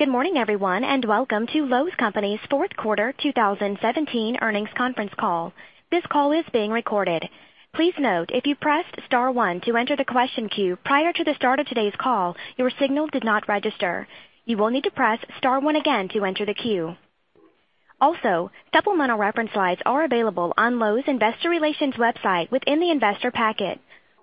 Good morning everyone, and welcome to Lowe's Companies fourth quarter 2017 earnings conference call. This call is being recorded. Please note, if you pressed star one to enter the question queue prior to the start of today’s call, your signal did not register. You will need to press star one again to enter the queue. Also, supplemental reference slides are available on lowes.com Investor Relations website within the investor packet.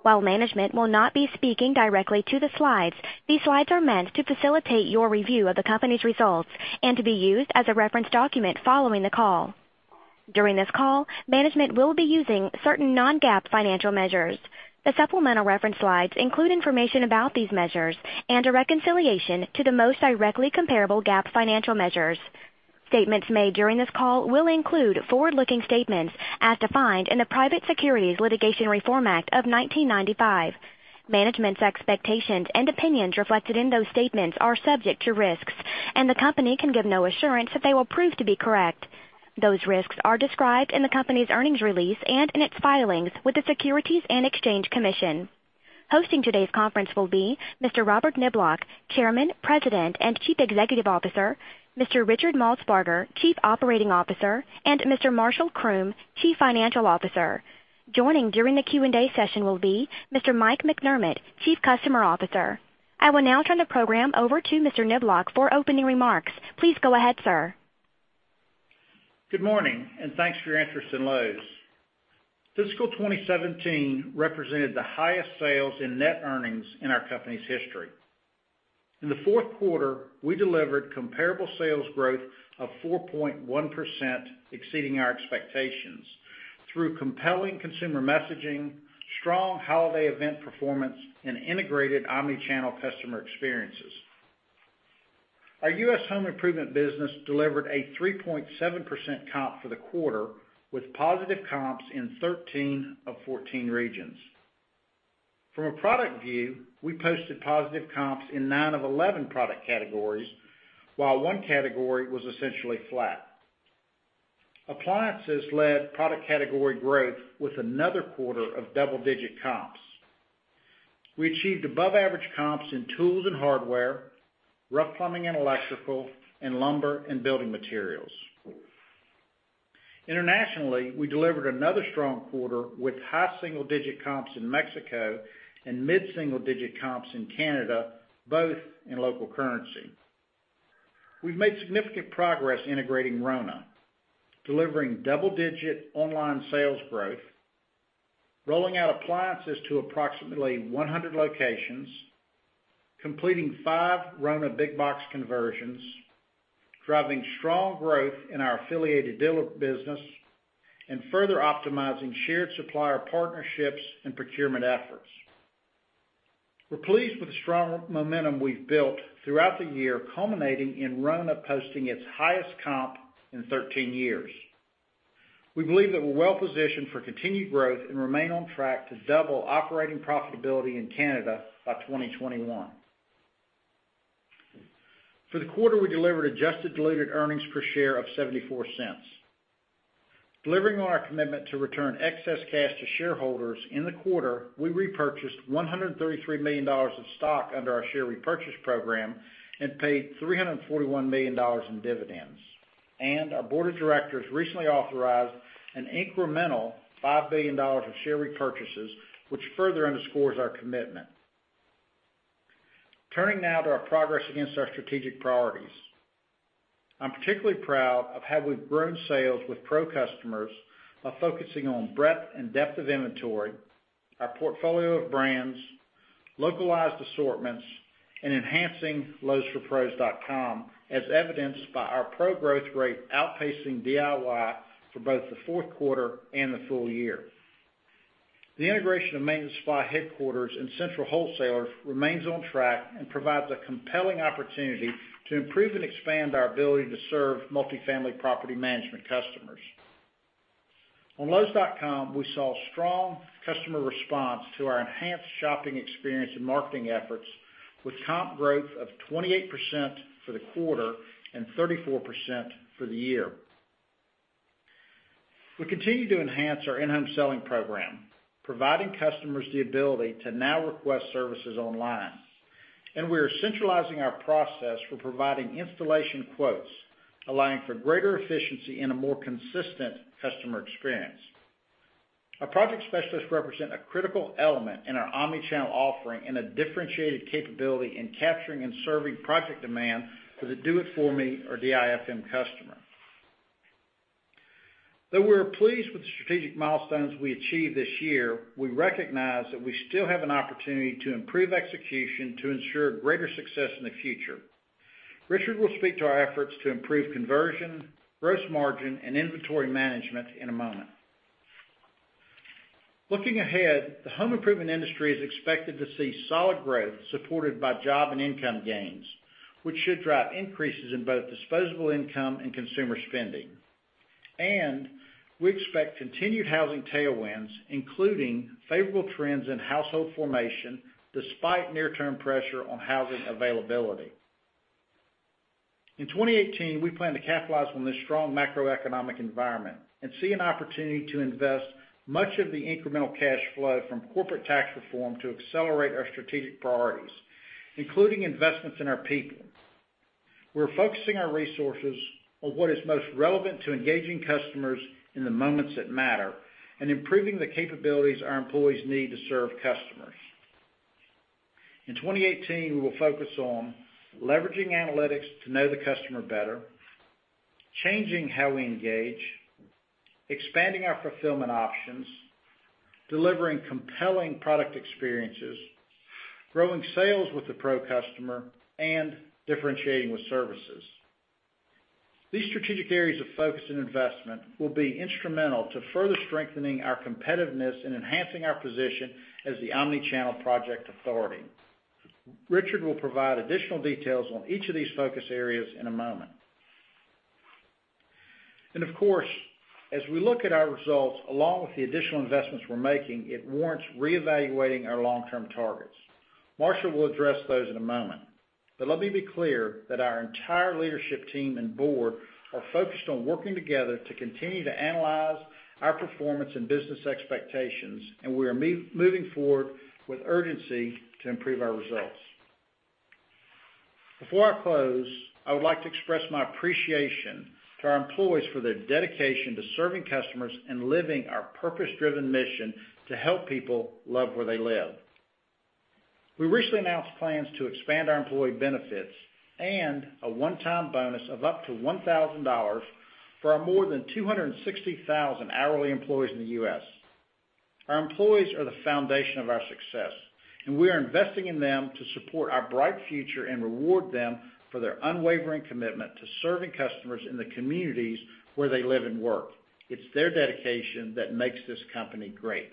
While management will not be speaking directly to the slides, these slides are meant to facilitate your review of the company’s results and to be used as a reference document following the call. During this call, management will be using certain non-GAAP financial measures. The supplemental reference slides include information about these measures and a reconciliation to the most directly comparable GAAP financial measures. Statements made during this call will include forward-looking statements as defined in the Private Securities Litigation Reform Act of 1995. Management’s expectations and opinions reflected in those statements are subject to risks, and the company can give no assurance that they will prove to be correct. Those risks are described in the company’s earnings release and in its filings with the Securities and Exchange Commission. Hosting today’s conference will be Mr. Robert Niblock, Chairman, President, and Chief Executive Officer, Mr. Richard Maltsbarger, Chief Operating Officer, and Mr. Marshall Croom, Chief Financial Officer. Joining during the Q&A session will be Mr. Mike McDermott, Chief Customer Officer. I will now turn the program over to Mr. Niblock for opening remarks. Please go ahead, sir. Good morning and thanks for your interest in Lowe's. Fiscal 2017 represented the highest sales in net earnings in our company’s history. In the fourth quarter, we delivered comparable sales growth of 4.1%, exceeding our expectations through compelling consumer messaging, strong holiday event performance, and integrated omni-channel customer experiences. Our U.S. home improvement business delivered a 3.7% comp for the quarter with positive comps in 13 of 14 regions. From a product view, we posted positive comps in nine of 11 product categories, while one category was essentially flat. Appliances led product category growth with another quarter of double-digit comps. We achieved above average comps in tools and hardware, rough plumbing and electrical, and lumber and building materials. Internationally, we delivered another strong quarter with high single-digit comps in Mexico and mid-single digit comps in Canada, both in local currency. We’ve made significant progress integrating RONA, delivering double-digit online sales growth, rolling out appliances to approximately 100 locations, completing five RONA big box conversions, driving strong growth in our affiliated dealer business, and further optimizing shared supplier partnerships and procurement efforts. We’re pleased with the strong momentum we’ve built throughout the year, culminating in RONA posting its highest comp in 13 years. We believe that we’re well positioned for continued growth and remain on track to double operating profitability in Canada by 2021. For the quarter, we delivered adjusted diluted earnings per share of $0.74. Delivering on our commitment to return excess cash to shareholders, in the quarter, we repurchased $133 million of stock under our share repurchase program and paid $341 million in dividends. And our board of directors recently authorized an incremental $5 billion of share repurchases, which further underscores our commitment. Turning now to our progress against our strategic priorities. I'm particularly proud of how we've grown sales with pro customers by focusing on breadth and depth of inventory, our portfolio of brands, localized assortments, and enhancing lowesforpros.com, as evidenced by our pro growth rate outpacing DIY for both the fourth quarter and the full year. The integration of Maintenance Supply Headquarters and Central Wholesalers remains on track and provides a compelling opportunity to improve and expand our ability to serve multifamily property management customers. On lowes.com, we saw strong customer response to our enhanced shopping experience and marketing efforts with comp growth of 28% for the quarter and 34% for the year. We continue to enhance our in-home selling program, providing customers the ability to now request services online. We are centralizing our process for providing installation quotes, allowing for greater efficiency and a more consistent customer experience. Our project specialists represent a critical element in our omni-channel offering and a differentiated capability in capturing and serving project demand for the DIFM customer. Though we are pleased with the strategic milestones we achieved this year, we recognize that we still have an opportunity to improve execution to ensure greater success in the future. Richard will speak to our efforts to improve conversion, gross margin, and inventory management in a moment. Looking ahead, the home improvement industry is expected to see solid growth supported by job and income gains, which should drive increases in both disposable income and consumer spending. We expect continued housing tailwinds, including favorable trends in household formation, despite near-term pressure on housing availability. In 2018, we plan to capitalize on this strong macroeconomic environment and see an opportunity to invest much of the incremental cash flow from corporate tax reform to accelerate our strategic priorities, including investments in our people. We're focusing our resources on what is most relevant to engaging customers in the moments that matter and improving the capabilities our employees need to serve customers. In 2018, we will focus on leveraging analytics to know the customer better, changing how we engage, expanding our fulfillment options, delivering compelling product experiences, growing sales with the pro customer, and differentiating with services. These strategic areas of focus and investment will be instrumental to further strengthening our competitiveness and enhancing our position as the omni-channel project authority. Richard will provide additional details on each of these focus areas in a moment. Of course, as we look at our results, along with the additional investments we're making, it warrants reevaluating our long-term targets. Marshall will address those in a moment, but let me be clear that our entire leadership team and board are focused on working together to continue to analyze our performance and business expectations. We are moving forward with urgency to improve our results. Before I close, I would like to express my appreciation to our employees for their dedication to serving customers and living our purpose-driven mission to help people love where they live. We recently announced plans to expand our employee benefits and a one-time bonus of up to $1,000 for our more than 260,000 hourly employees in the U.S. Our employees are the foundation of our success, we are investing in them to support our bright future and reward them for their unwavering commitment to serving customers in the communities where they live and work. It's their dedication that makes this company great.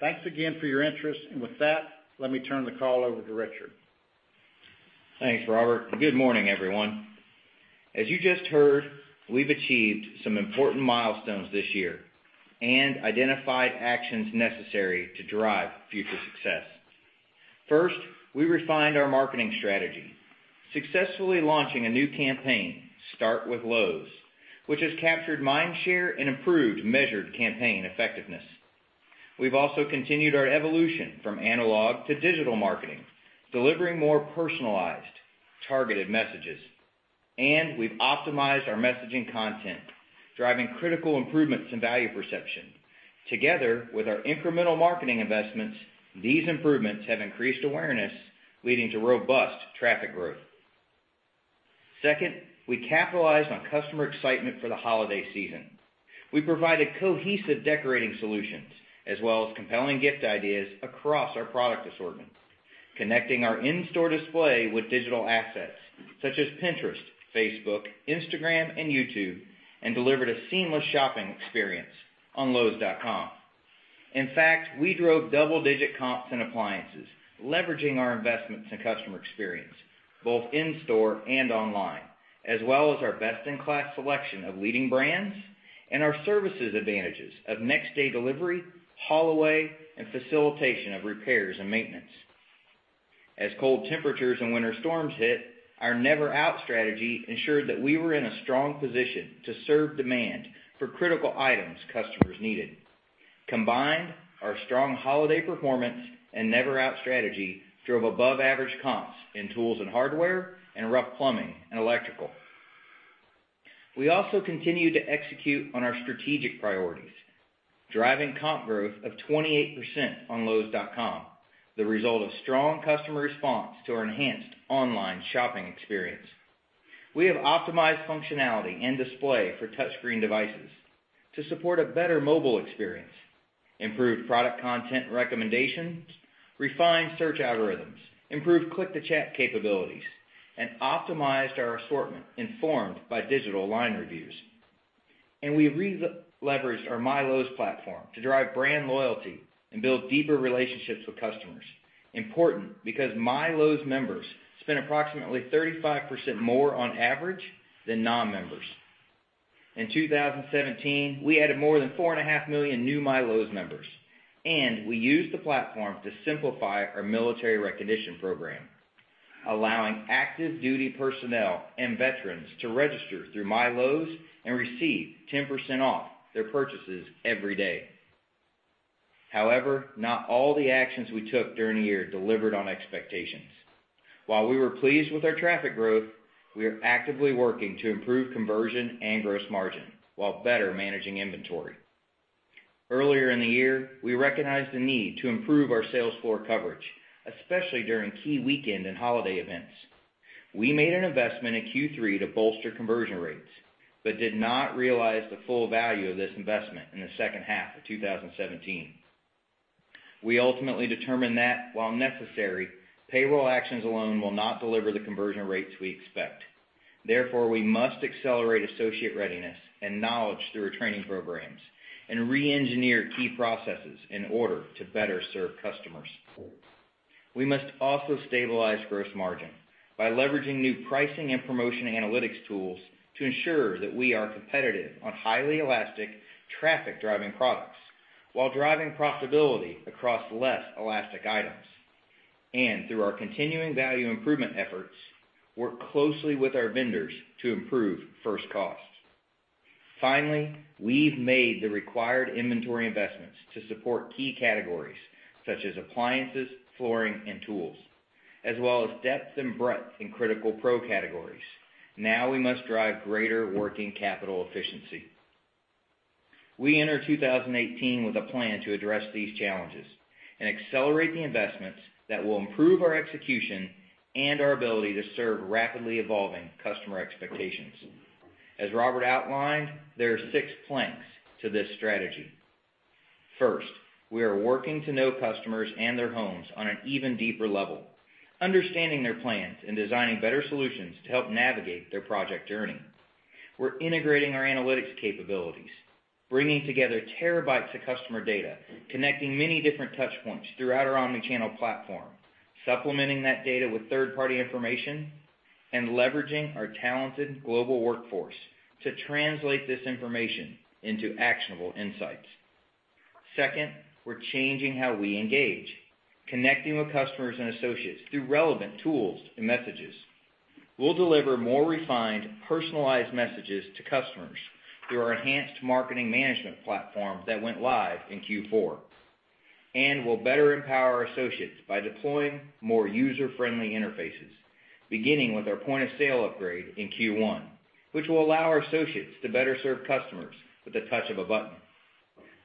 Thanks again for your interest. With that, let me turn the call over to Richard. Thanks, Robert. Good morning, everyone. As you just heard, we've achieved some important milestones this year and identified actions necessary to drive future success. First, we refined our marketing strategy, successfully launching a new campaign, Start with Lowe's, which has captured mind share and improved measured campaign effectiveness. We've also continued our evolution from analog to digital marketing, delivering more personalized, targeted messages. We've optimized our messaging content, driving critical improvements in value perception. Together with our incremental marketing investments, these improvements have increased awareness, leading to robust traffic growth. Second, we capitalized on customer excitement for the holiday season. We provided cohesive decorating solutions as well as compelling gift ideas across our product assortment, connecting our in-store display with digital assets such as Pinterest, Facebook, Instagram, and YouTube, and delivered a seamless shopping experience on lowes.com. In fact, we drove double-digit comps and appliances, leveraging our investments in customer experience both in store and online, as well as our best-in-class selection of leading brands and our services advantages of next-day delivery, haul away, and facilitation of repairs and maintenance. As cold temperatures and winter storms hit, our Never Out strategy ensured that we were in a strong position to serve demand for critical items customers needed. Combined, our strong holiday performance and Never Out strategy drove above-average comps in tools and hardware and rough plumbing and electrical. We also continued to execute on our strategic priorities, driving comp growth of 28% on lowes.com, the result of strong customer response to our enhanced online shopping experience. We have optimized functionality and display for touchscreen devices to support a better mobile experience, improved product content recommendations, refined search algorithms, improved click-to-chat capabilities, and optimized our assortment informed by digital line reviews. We re-leveraged our MyLowe's platform to drive brand loyalty and build deeper relationships with customers. Important because MyLowe's members spend approximately 35% more on average than non-members. In 2017, we added more than 4.5 million new MyLowe's members, and we used the platform to simplify our military recognition program, allowing active duty personnel and veterans to register through MyLowe's and receive 10% off their purchases every day. However, not all the actions we took during the year delivered on expectations. While we were pleased with our traffic growth, we are actively working to improve conversion and gross margin while better managing inventory. Earlier in the year, we recognized the need to improve our sales floor coverage, especially during key weekend and holiday events. We made an investment in Q3 to bolster conversion rates but did not realize the full value of this investment in the second half of 2017. We ultimately determined that while necessary, payroll actions alone will not deliver the conversion rates we expect. Therefore, we must accelerate associate readiness and knowledge through our training programs and reengineer key processes in order to better serve customers. We must also stabilize gross margin by leveraging new pricing and promotion analytics tools to ensure that we are competitive on highly elastic traffic-driving products while driving profitability across less elastic items. Through our continuing value improvement efforts, work closely with our vendors to improve first costs. Finally, we've made the required inventory investments to support key categories such as appliances, flooring, and tools, as well as depth and breadth in critical pro categories. Now we must drive greater working capital efficiency. We enter 2018 with a plan to address these challenges and accelerate the investments that will improve our execution and our ability to serve rapidly evolving customer expectations. As Robert outlined, there are six planks to this strategy. First, we are working to know customers and their homes on an even deeper level, understanding their plans and designing better solutions to help navigate their project journey. We're integrating our analytics capabilities, bringing together terabytes of customer data, connecting many different touch points throughout our omni-channel platform, supplementing that data with third-party information, and leveraging our talented global workforce to translate this information into actionable insights. Second, we're changing how we engage, connecting with customers and associates through relevant tools and messages. We'll deliver more refined, personalized messages to customers through our enhanced marketing management platform that went live in Q4. We'll better empower associates by deploying more user-friendly interfaces, beginning with our point-of-sale upgrade in Q1, which will allow our associates to better serve customers with the touch of a button.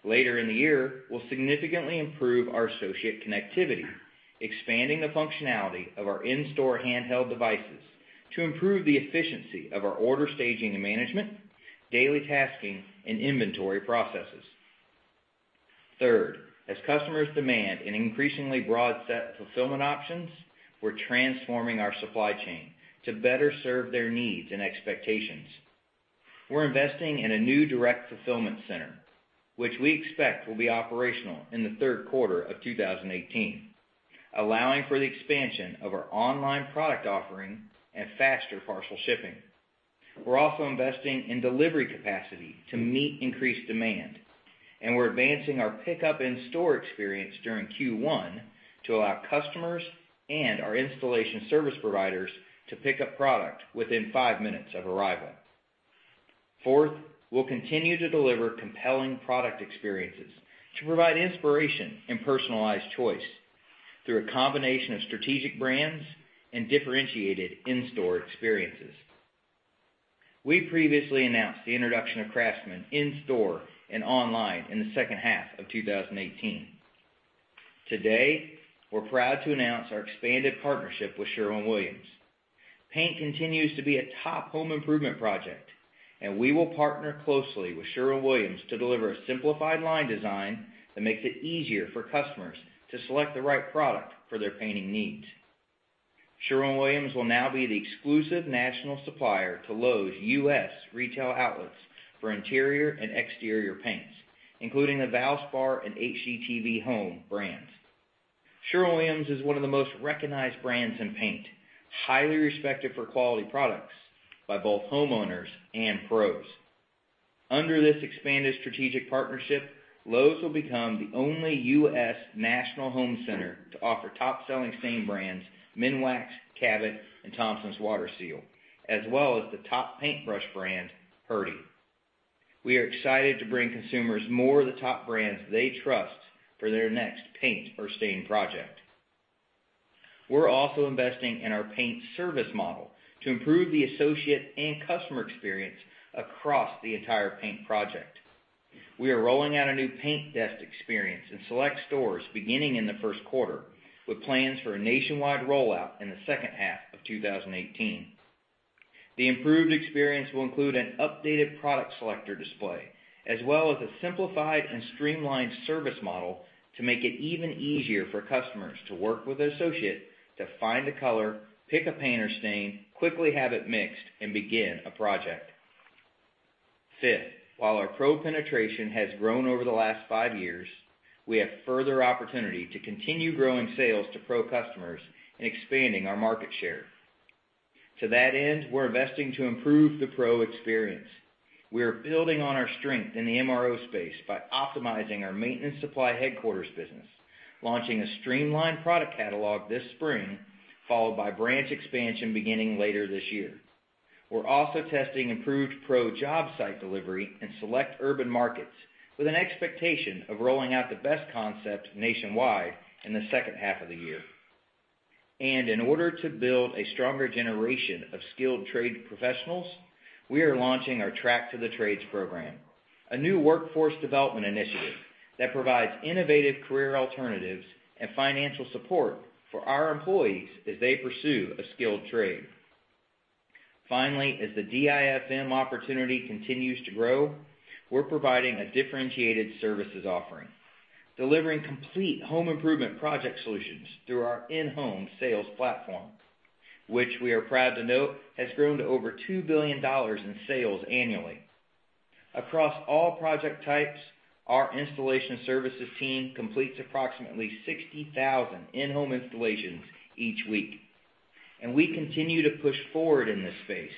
Later in the year, we'll significantly improve our associate connectivity, expanding the functionality of our in-store handheld devices to improve the efficiency of our order staging and management, daily tasking, and inventory processes. Third, as customers demand an increasingly broad set of fulfillment options, we're transforming our supply chain to better serve their needs and expectations. We're investing in a new direct fulfillment center, which we expect will be operational in the third quarter of 2018, allowing for the expansion of our online product offering and faster parcel shipping. We're also investing in delivery capacity to meet increased demand, and we're advancing our pickup in-store experience during Q1 to allow customers and our installation service providers to pick up product within five minutes of arrival. Fourth, we'll continue to deliver compelling product experiences to provide inspiration and personalized choice through a combination of strategic brands and differentiated in-store experiences. We previously announced the introduction of CRAFTSMAN in-store and online in the second half of 2018. Today, we're proud to announce our expanded partnership with Sherwin-Williams. Paint continues to be a top home improvement project. We will partner closely with Sherwin-Williams to deliver a simplified line design that makes it easier for customers to select the right product for their painting needs. Sherwin-Williams will now be the exclusive national supplier to Lowe's U.S. retail outlets for interior and exterior paints, including the Valspar and HGTV HOME brands. Sherwin-Williams is one of the most recognized brands in paint, highly respected for quality products by both homeowners and pros. Under this expanded strategic partnership, Lowe's will become the only U.S. national home center to offer top-selling stain brands Minwax, Cabot, and Thompson's WaterSeal, as well as the top paintbrush brand, Purdy. We are excited to bring consumers more of the top brands they trust for their next paint or stain project. We're also investing in our paint service model to improve the associate and customer experience across the entire paint project. We are rolling out a new paint desk experience in select stores beginning in the first quarter, with plans for a nationwide rollout in the second half of 2018. The improved experience will include an updated product selector display, as well as a simplified and streamlined service model to make it even easier for customers to work with an associate to find a color, pick a paint or stain, quickly have it mixed, and begin a project. Fifth, while our pro penetration has grown over the last five years, we have further opportunity to continue growing sales to pro customers and expanding our market share. To that end, we're investing to improve the pro experience. We are building on our strength in the MRO space by optimizing our Maintenance Supply Headquarters business, launching a streamlined product catalog this spring, followed by branch expansion beginning later this year. We're also testing improved pro job site delivery in select urban markets, with an expectation of rolling out the best concepts nationwide in the second half of the year. In order to build a stronger generation of skilled trade professionals, we are launching our Track to the Trades program, a new workforce development initiative that provides innovative career alternatives and financial support for our employees as they pursue a skilled trade. Finally, as the DIFM opportunity continues to grow, we're providing a differentiated services offering, delivering complete home improvement project solutions through our in-home sales platform, which we are proud to note has grown to over $2 billion in sales annually. Across all project types, our installation services team completes approximately 60,000 in-home installations each week. We continue to push forward in this space,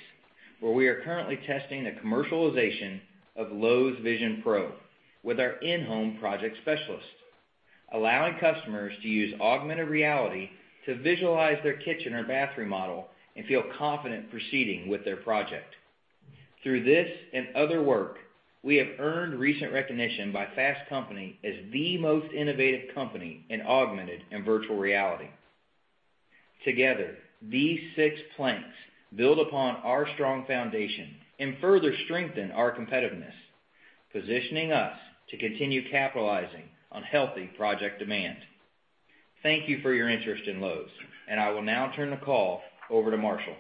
where we are currently testing the commercialization of Lowe's Vision Pro with our in-home project specialists, allowing customers to use augmented reality to visualize their kitchen or bath remodel and feel confident proceeding with their project. Through this and other work, we have earned recent recognition by Fast Company as the most innovative company in augmented and virtual reality. Together, these six planks build upon our strong foundation and further strengthen our competitiveness, positioning us to continue capitalizing on healthy project demand. Thank you for your interest in Lowe's, and I will now turn the call over to Marshall.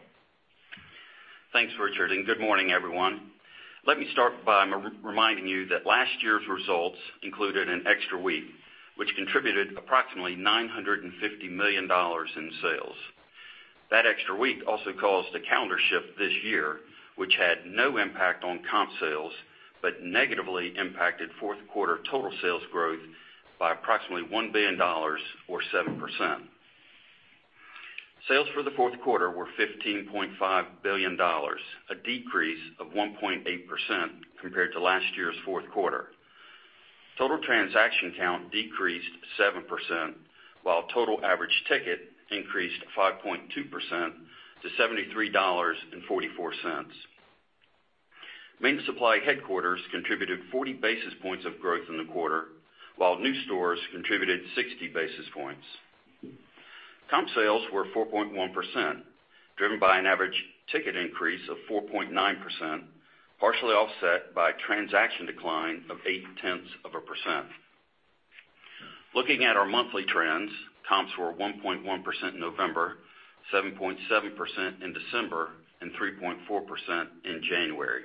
Thanks, Richard, and good morning, everyone. Let me start by reminding you that last year's results included an extra week, which contributed approximately $950 million in sales. That extra week also caused a calendar shift this year, which had no impact on comp sales, but negatively impacted fourth quarter total sales growth by approximately $1 billion, or 7%. Sales for the fourth quarter were $15.5 billion, a decrease of 1.8% compared to last year's fourth quarter. Total transaction count decreased 7%, while total average ticket increased 5.2% to $73.44. Maintenance Supply Headquarters contributed 40 basis points of growth in the quarter, while new stores contributed 60 basis points. Comp sales were 4.1%, driven by an average ticket increase of 4.9%, partially offset by transaction decline of 0.8%. Looking at our monthly trends, comps were 1.1% in November, 7.7% in December, and 3.4% in January.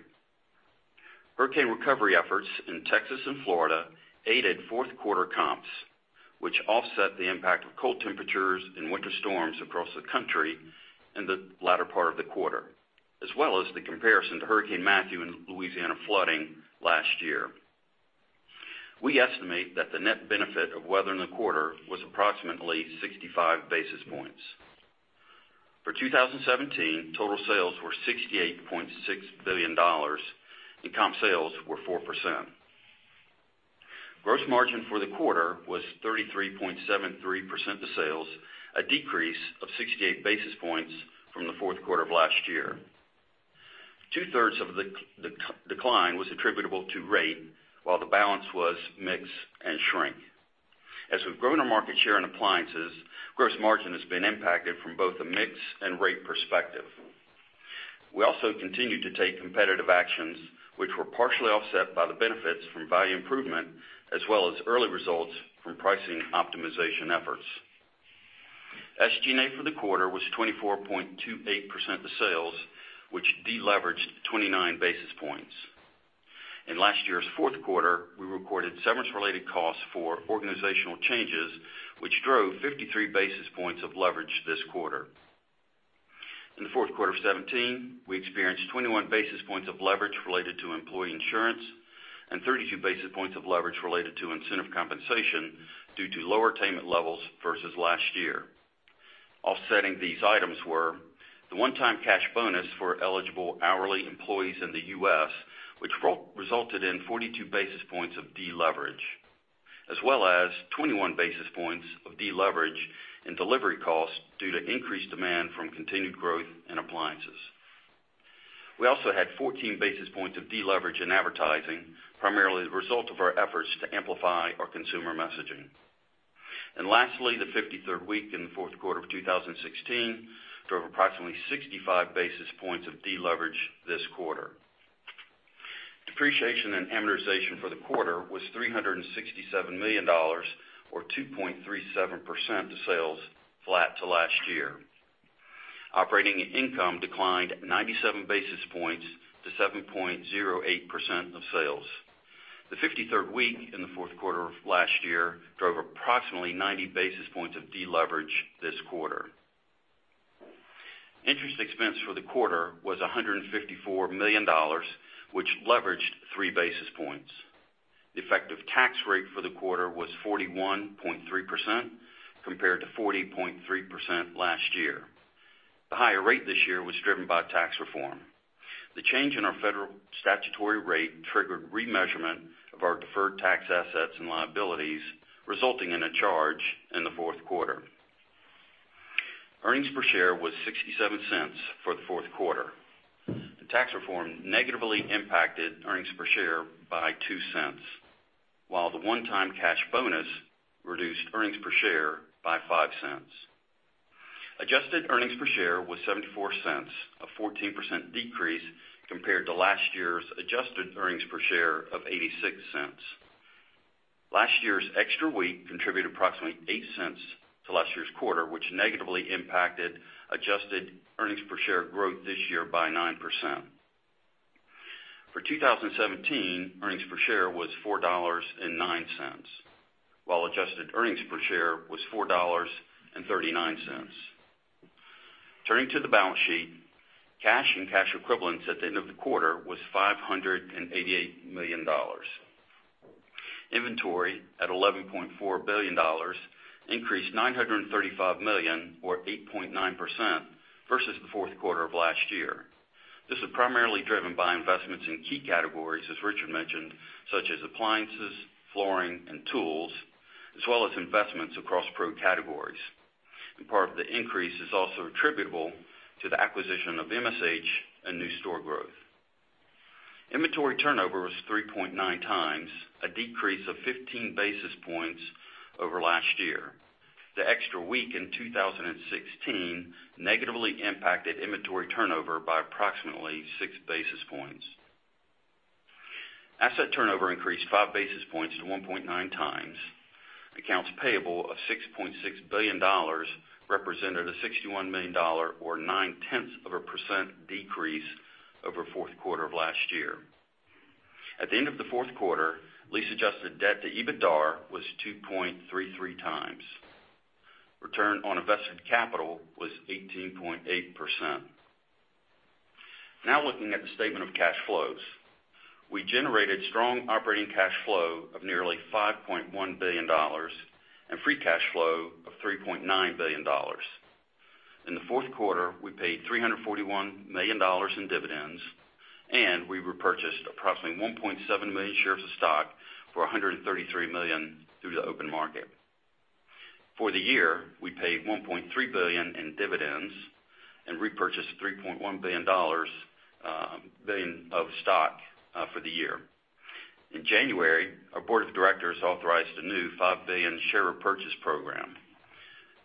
Hurricane recovery efforts in Texas and Florida aided fourth quarter comps, which offset the impact of cold temperatures and winter storms across the country in the latter part of the quarter, as well as the comparison to Hurricane Matthew and Louisiana flooding last year. We estimate that the net benefit of weather in the quarter was approximately 65 basis points. For 2017, total sales were $68.6 billion, and comp sales were 4%. Gross margin for the quarter was 33.73% of sales, a decrease of 68 basis points from the fourth quarter of last year. Two-thirds of the decline was attributable to rate, while the balance was mix and shrink. As we've grown our market share in appliances, gross margin has been impacted from both the mix and rate perspective. We also continue to take competitive actions which were partially offset by the benefits from value improvement as well as early results from pricing optimization efforts. SG&A for the quarter was 24.28% of sales, which deleveraged 29 basis points. In last year's fourth quarter, we recorded severance-related costs for organizational changes, which drove 53 basis points of leverage this quarter. In the fourth quarter of 2017, we experienced 21 basis points of leverage related to employee insurance and 32 basis points of leverage related to incentive compensation due to lower attainment levels versus last year. Offsetting these items were the one-time cash bonus for eligible hourly employees in the U.S., which resulted in 42 basis points of deleverage, as well as 21 basis points of deleverage in delivery costs due to increased demand from continued growth in appliances. Lastly, the 53rd week in the fourth quarter of 2016 drove approximately 65 basis points of deleverage this quarter. Depreciation and amortization for the quarter was $367 million, or 2.37% to sales, flat to last year. Operating income declined 97 basis points to 7.08% of sales. The 53rd week in the fourth quarter of last year drove approximately 90 basis points of deleverage this quarter. Interest expense for the quarter was $154 million, which leveraged 3 basis points. The effective tax rate for the quarter was 41.3%, compared to 40.3% last year. The higher rate this year was driven by tax reform. The change in our federal statutory rate triggered remeasurement of our deferred tax assets and liabilities, resulting in a charge in the fourth quarter. Earnings per share was $0.67 for the fourth quarter. The tax reform negatively impacted earnings per share by $0.02, while the one-time cash bonus reduced earnings per share by $0.05. Adjusted earnings per share was $0.74, a 14% decrease compared to last year's adjusted earnings per share of $0.86. Last year's extra week contributed approximately $0.08 to last year's quarter, which negatively impacted adjusted earnings per share growth this year by 9%. For 2017, earnings per share was $4.09, while adjusted earnings per share was $4.39. Turning to the balance sheet, cash and cash equivalents at the end of the quarter was $588 million. Inventory at $11.4 billion, increased $935 million or 8.9% versus the fourth quarter of last year. This is primarily driven by investments in key categories, as Richard mentioned, such as appliances, flooring, and tools, as well as investments across Pro categories. Part of the increase is also attributable to the acquisition of MSH and new store growth. Inventory turnover was 3.9 times, a decrease of 15 basis points over last year. The extra week in 2016 negatively impacted inventory turnover by approximately six basis points. Asset turnover increased five basis points to 1.9 times. Accounts payable of $6.6 billion represented a $61 million or nine-tenths of a percent decrease over fourth quarter of last year. At the end of the fourth quarter, lease-adjusted debt to EBITDAR was 2.33 times. Return on invested capital was 18.8%. Now looking at the statement of cash flows. We generated strong operating cash flow of nearly $5.1 billion and free cash flow of $3.9 billion. In the fourth quarter, we paid $341 million in dividends, and we repurchased approximately 1.7 million shares of stock for $133 million through the open market. For the year, we paid $1.3 billion in dividends and repurchased $3.1 billion of stock for the year. In January, our board of directors authorized a new $5 billion share repurchase program.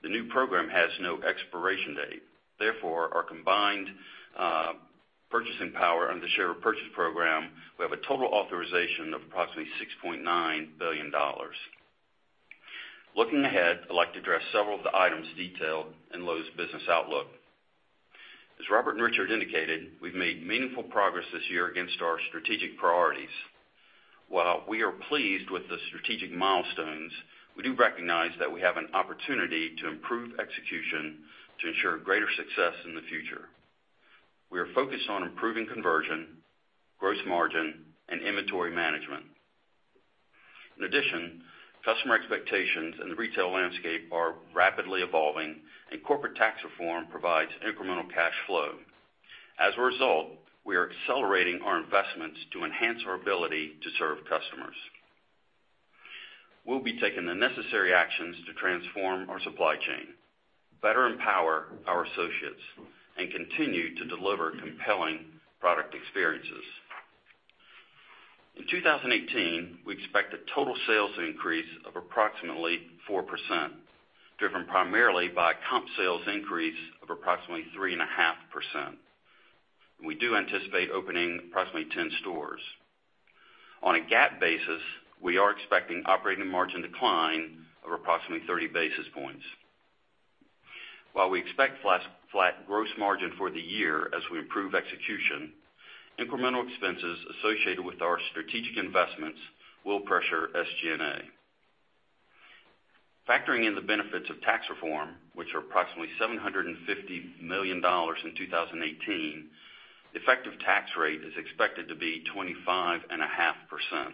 The new program has no expiration date. Therefore, our combined purchasing power under share repurchase program, we have a total authorization of approximately $6.9 billion. Looking ahead, I'd like to address several of the items detailed in Lowe's business outlook. As Robert and Richard indicated, we've made meaningful progress this year against our strategic priorities. While we are pleased with the strategic milestones, we do recognize that we have an opportunity to improve execution to ensure greater success in the future. We are focused on improving conversion, gross margin, and inventory management. In addition, customer expectations in the retail landscape are rapidly evolving. Corporate tax reform provides incremental cash flow. As a result, we are accelerating our investments to enhance our ability to serve customers. We'll be taking the necessary actions to transform our supply chain, better empower our associates, and continue to deliver compelling product experiences. In 2018, we expect a total sales increase of approximately 4%, driven primarily by comp sales increase of approximately 3.5%. We do anticipate opening approximately 10 stores. On a GAAP basis, we are expecting operating margin decline of approximately 30 basis points. While we expect flat gross margin for the year as we improve execution, incremental expenses associated with our strategic investments will pressure SG&A. Factoring in the benefits of tax reform, which are approximately $750 million in 2018, effective tax rate is expected to be 25.5%.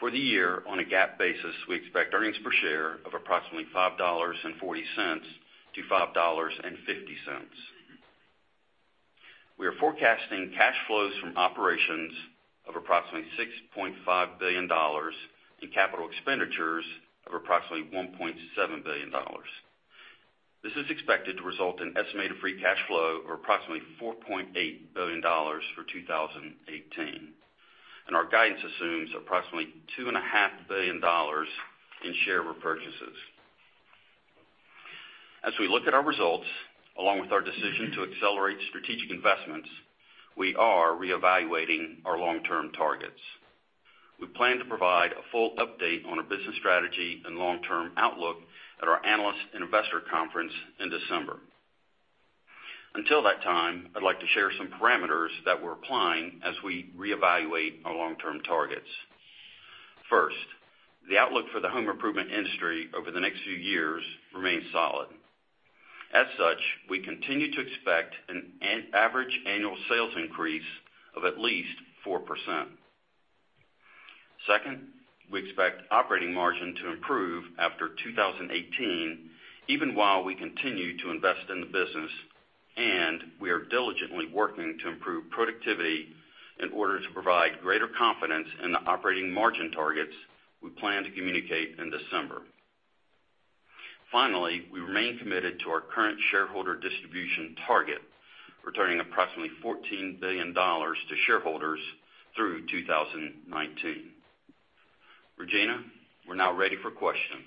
For the year, on a GAAP basis, we expect earnings per share of approximately $5.40-$5.50. We are forecasting cash flows from operations of approximately $6.5 billion and capital expenditures of approximately $1.7 billion. This is expected to result in estimated free cash flow of approximately $4.8 billion for 2018. Our guidance assumes approximately $2.5 billion in share repurchases. As we look at our results, along with our decision to accelerate strategic investments, we are reevaluating our long-term targets. We plan to provide a full update on our business strategy and long-term outlook at our analyst and investor conference in December. Until that time, I'd like to share some parameters that we're applying as we reevaluate our long-term targets. First, the outlook for the home improvement industry over the next few years remains solid. As such, we continue to expect an average annual sales increase of at least 4%. Second, we expect operating margin to improve after 2018, even while we continue to invest in the business. We are diligently working to improve productivity in order to provide greater confidence in the operating margin targets we plan to communicate in December. Finally, we remain committed to our current shareholder distribution target, returning approximately $14 billion to shareholders through 2019. Regina, we're now ready for questions.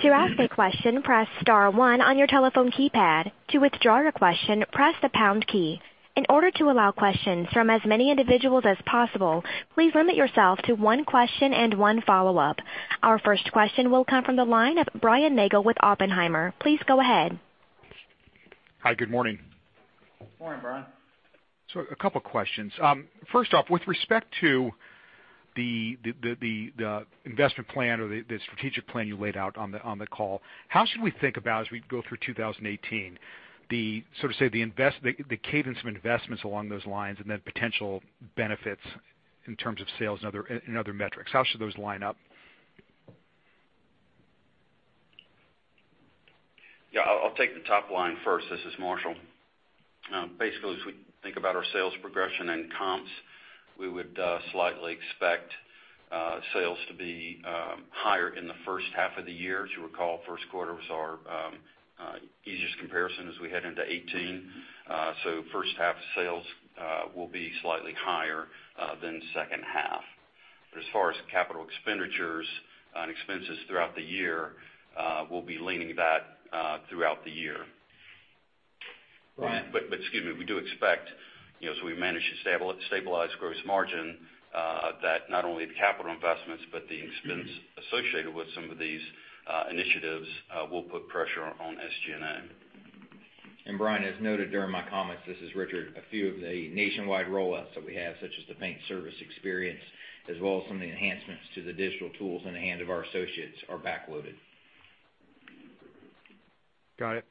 To ask a question, press *1 on your telephone keypad. To withdraw your question, press the # key. In order to allow questions from as many individuals as possible, please limit yourself to one question and one follow-up. Our first question will come from the line of Brian Nagel with Oppenheimer. Please go ahead. Hi, good morning. Morning, Brian. A couple questions. First off, with respect to the investment plan or the strategic plan you laid out on the call, how should we think about as we go through 2018, the sort of say the cadence of investments along those lines and the potential benefits in terms of sales and other metrics? How should those line up? I'll take the top line first. This is Marshall. Basically, as we think about our sales progression and comps, we would slightly expect sales to be higher in the first half of the year. As you recall, first quarter was our easiest comparison as we head into 2018. First half sales will be slightly higher than second half. As far as capital expenditures and expenses throughout the year, we'll be leaning that throughout the year. Excuse me, we do expect, as we manage to stabilize gross margin, that not only the capital investments but the expense associated with some of these initiatives will put pressure on SG&A. Brian, as noted during my comments, this is Richard, a few of the nationwide rollouts that we have, such as the paint service experience, as well as some of the enhancements to the digital tools in the hand of our associates are back-loaded. Got it.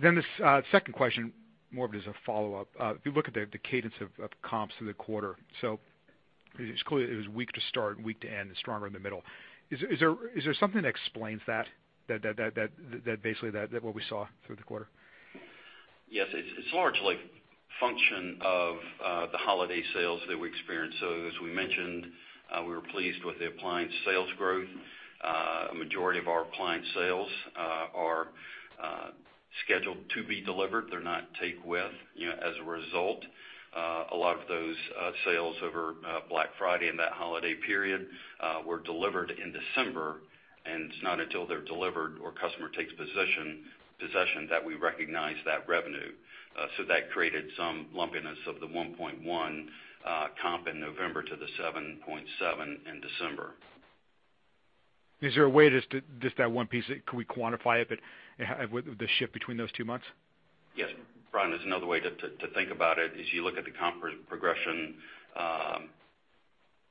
The second question, more of as a follow-up. If you look at the cadence of comps through the quarter. It's clear it was weak to start, weak to end and stronger in the middle. Is there something that explains that, basically what we saw through the quarter? Yes. It's largely function of the holiday sales that we experienced. As we mentioned, we were pleased with the appliance sales growth. A majority of our appliance sales are scheduled to be delivered. They're not take with. As a result, a lot of those sales over Black Friday and that holiday period were delivered in December, and it's not until they're delivered or customer takes possession, that we recognize that revenue. That created some lumpiness of the 1.1 comp in November to the 7.7 in December. Is there a way, just that one piece, can we quantify it, the shift between those two months? Yes. Brian, there's another way to think about it is you look at the comp progression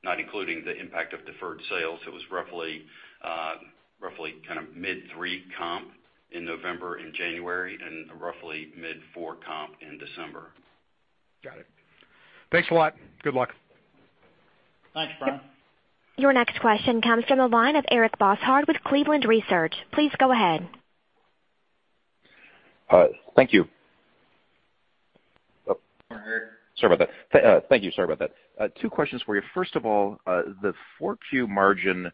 not including the impact of deferred sales. It was roughly mid three comp in November and January and roughly mid four comp in December. Got it. Thanks a lot. Good luck. Thanks, Brian. Your next question comes from the line of Eric Bosshard with Cleveland Research. Please go ahead. Thank you. Sorry about that. Two questions for you. First of all, the fourth Q margin,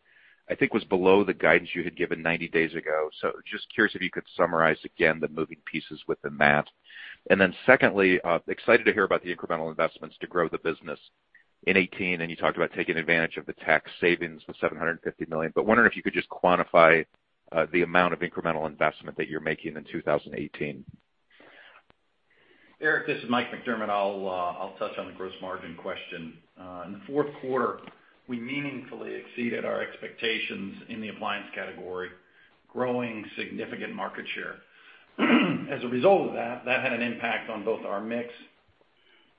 I think, was below the guidance you had given 90 days ago. Just curious if you could summarize again the moving pieces within that. Secondly, excited to hear about the incremental investments to grow the business in 2018, and you talked about taking advantage of the tax savings of $750 million, but wondering if you could just quantify the amount of incremental investment that you're making in 2018. Eric, this is Mike McDermott. I'll touch on the gross margin question. In the fourth quarter, we meaningfully exceeded our expectations in the appliance category, growing significant market share. As a result of that had an impact on both our mix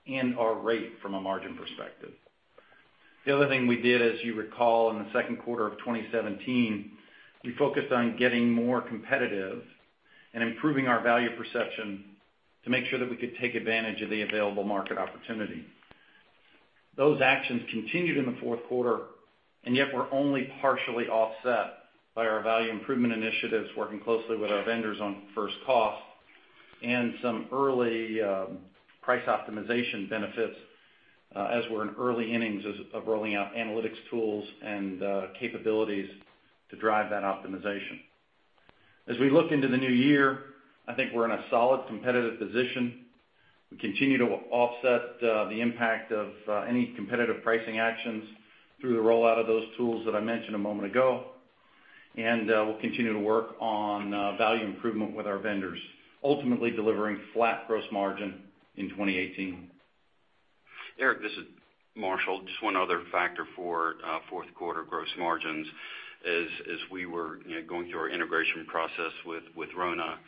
and our rate from a margin perspective. The other thing we did, as you recall, in the second quarter of 2017, we focused on getting more competitive and improving our value perception to make sure that we could take advantage of the available market opportunity. Yet were only partially offset by our value improvement initiatives, working closely with our vendors on first cost and some early price optimization benefits, as we're in early innings of rolling out analytics tools and capabilities to drive that optimization. As we look into the new year, I think we're in a solid competitive position. We continue to offset the impact of any competitive pricing actions through the rollout of those tools that I mentioned a moment ago. We'll continue to work on value improvement with our vendors, ultimately delivering flat gross margin in 2018. Eric, this is Marshall. Just one other factor for fourth quarter gross margins is, as we were going through our integration process with RONA,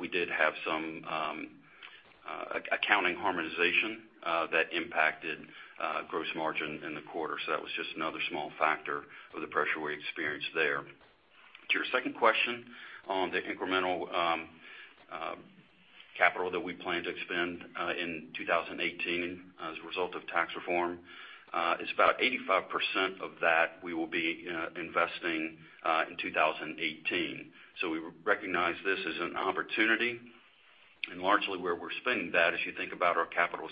we did have some accounting harmonization that impacted gross margin in the quarter. That was just another small factor of the pressure we experienced there. To your second question on the incremental capital that we plan to expend in 2018 as a result of tax reform, is about 85% of that we will be investing in 2018. We recognize this as an opportunity and largely where we're spending that, as you think about our capital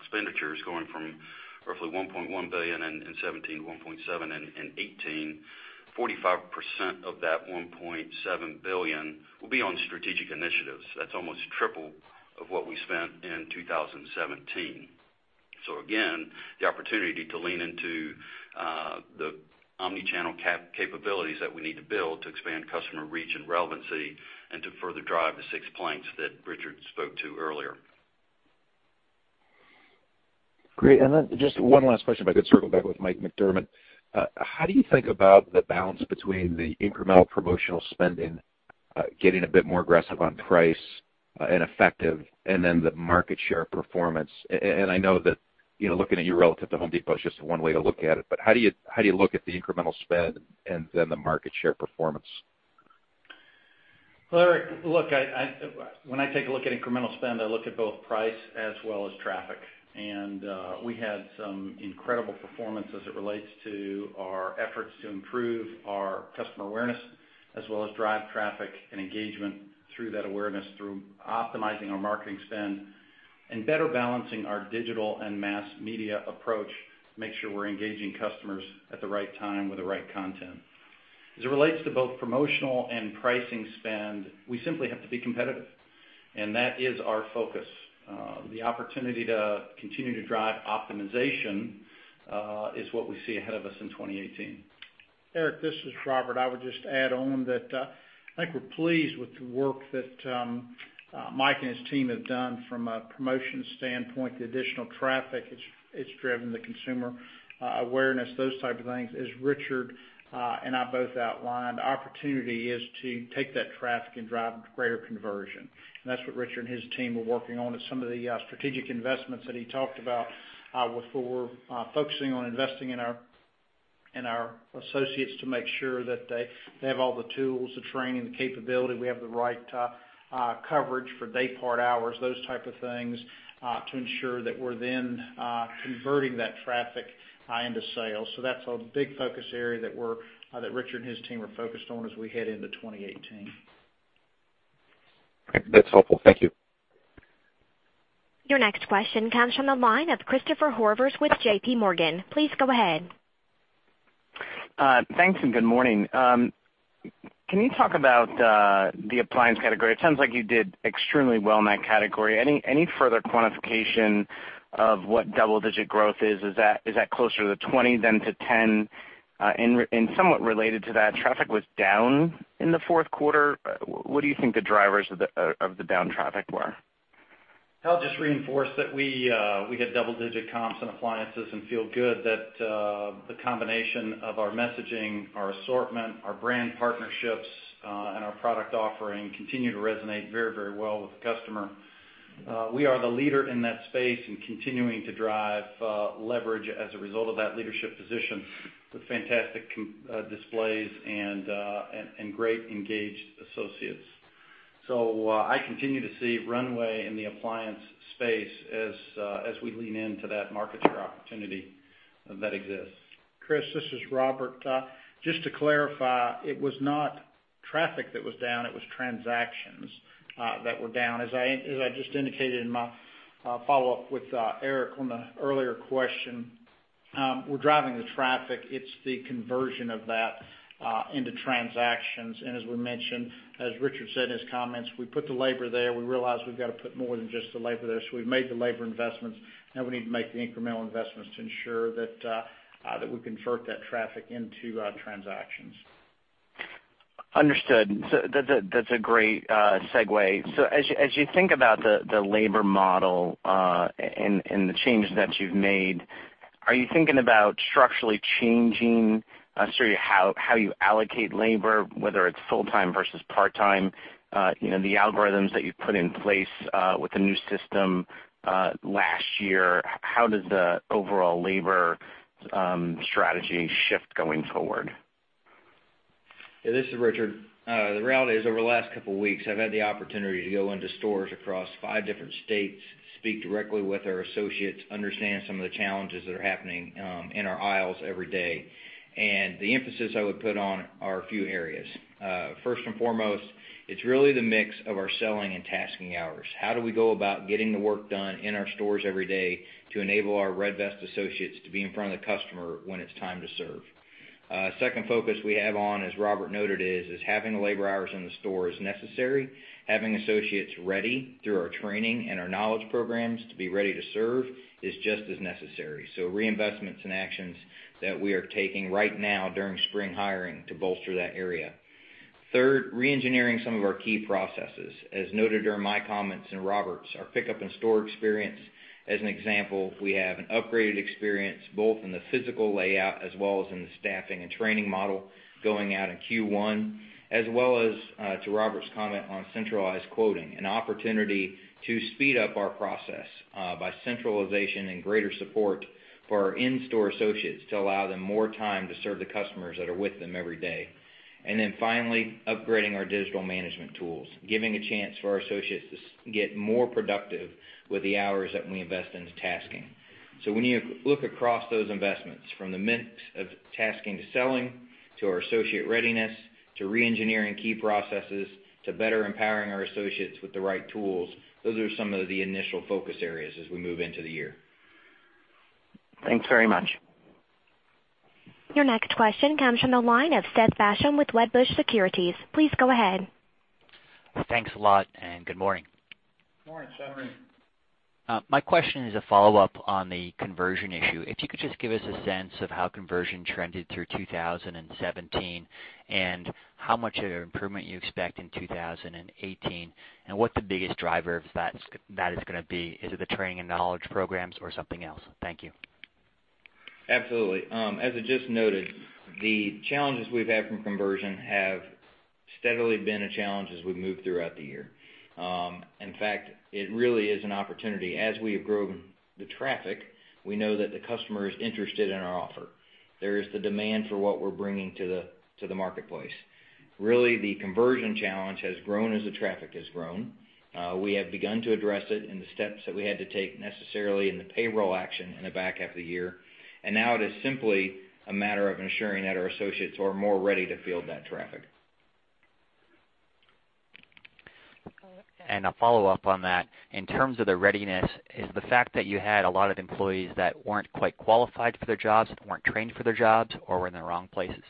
expenditures going from roughly $1.1 billion in 2017, $1.7 billion in 2018, 45% of that $1.7 billion will be on strategic initiatives. That's almost triple of what we spent in 2017. Again, the opportunity to lean into the omni-channel capabilities that we need to build to expand customer reach and relevancy and to further drive the six planks that Richard spoke to earlier. Great. Just one last question, if I could circle back with Mike McDermott. How do you think about the balance between the incremental promotional spending getting a bit more aggressive on price and effective and then the market share performance? I know that looking at you relative to Home Depot is just one way to look at it, but how do you look at the incremental spend and then the market share performance? Well, Eric, look, when I take a look at incremental spend, I look at both price as well as traffic. We had some incredible performance as it relates to our efforts to improve our customer awareness, as well as drive traffic and engagement through that awareness, through optimizing our marketing spend and better balancing our digital and mass media approach to make sure we're engaging customers at the right time with the right content. As it relates to both promotional and pricing spend, we simply have to be competitive, and that is our focus. The opportunity to continue to drive optimization is what we see ahead of us in 2018. Eric, this is Robert. I would just add on that I think we're pleased with the work that Mike and his team have done from a promotions standpoint. The additional traffic it's driven, the consumer awareness, those types of things. As Richard and I both outlined, the opportunity is to take that traffic and drive greater conversion. That's what Richard and his team are working on as some of the strategic investments that he talked about were for focusing on investing in our associates to make sure that they have all the tools, the training, the capability, we have the right coverage for day part hours, those type of things, to ensure that we're then converting that traffic into sales. That's a big focus area that Richard and his team are focused on as we head into 2018. That's helpful. Thank you. Your next question comes from the line of Christopher Horvers with JP Morgan. Please go ahead. Thanks and good morning. Can you talk about the appliance category? It sounds like you did extremely well in that category. Any further quantification of what double digit growth is? Is that closer to 20 than to 10? Somewhat related to that, traffic was down in the fourth quarter. What do you think the drivers of the down traffic were? I'll just reinforce that we hit double digit comps in appliances and feel good that the combination of our messaging, our assortment, our brand partnerships and our product offering continue to resonate very well with the customer. We are the leader in that space and continuing to drive leverage as a result of that leadership position with fantastic displays and great engaged associates. I continue to see runway in the appliance space as we lean into that market share opportunity that exists. Chris, this is Robert. Just to clarify, it was not traffic that was down, it was transactions that were down. As I just indicated in my follow-up with Eric on the earlier question, we're driving the traffic. It's the conversion of that into transactions. As we mentioned, as Richard said in his comments, we put the labor there. We realized we've got to put more than just the labor there. We've made the labor investments. Now we need to make the incremental investments to ensure that we convert that traffic into transactions. Understood. That's a great segue. As you think about the labor model and the changes that you've made, are you thinking about structurally changing how you allocate labor, whether it's full-time versus part-time, the algorithms that you've put in place with the new system last year, how does the overall labor strategy shift going forward? Yeah, this is Richard. The reality is over the last couple of weeks, I've had the opportunity to go into stores across five different states, speak directly with our associates, understand some of the challenges that are happening in our aisles every day. The emphasis I would put on are a few areas. First and foremost, it's really the mix of our selling and tasking hours. How do we go about getting the work done in our stores every day to enable our red vest associates to be in front of the customer when it's time to serve? Second focus we have on, as Robert noted, is having the labor hours in the store is necessary. Having associates ready through our training and our knowledge programs to be ready to serve is just as necessary. Reinvestments and actions that we are taking right now during spring hiring to bolster that area. Third, re-engineering some of our key processes. As noted during my comments and Robert's, our pickup in-store experience, as an example, we have an upgraded experience both in the physical layout as well as in the staffing and training model going out in Q1, as well as to Robert's comment on centralized quoting. An opportunity to speed up our process by centralization and greater support for our in-store associates to allow them more time to serve the customers that are with them every day. Finally, upgrading our digital management tools, giving a chance for our associates to get more productive with the hours that we invest into tasking. When you look across those investments from the mix of tasking to selling, to our associate readiness, to re-engineering key processes, to better empowering our associates with the right tools, those are some of the initial focus areas as we move into the year. Thanks very much. Your next question comes from the line of Seth Basham with Wedbush Securities. Please go ahead. Thanks a lot. Good morning. Morning, Seth. How are you? My question is a follow-up on the conversion issue. If you could just give us a sense of how conversion trended through 2017 and how much of an improvement you expect in 2018, and what the biggest driver of that is going to be. Is it the training and knowledge programs or something else? Thank you. Absolutely. As I just noted, the challenges we've had from conversion have steadily been a challenge as we move throughout the year. In fact, it really is an opportunity. As we have grown the traffic, we know that the customer is interested in our offer. There is the demand for what we're bringing to the marketplace. Really, the conversion challenge has grown as the traffic has grown. We have begun to address it in the steps that we had to take necessarily in the payroll action in the back half of the year. Now it is simply a matter of ensuring that our associates are more ready to field that traffic. A follow-up on that. In terms of the readiness, is the fact that you had a lot of employees that weren't quite qualified for their jobs, weren't trained for their jobs, or were in the wrong places?